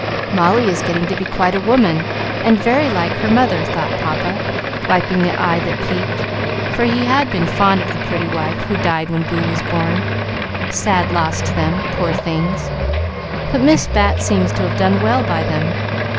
"Molly is getting to be quite a woman, and very like her mother," thought papa, wiping the eye that peeped, for he had been fond of the pretty wife who died when Boo was born. "Sad loss to them, poor things! But Miss Bat seems to have done well by them.